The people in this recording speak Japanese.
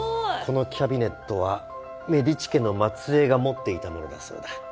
このキャビネットはメディチ家の末えいが持っていたものだそうだ。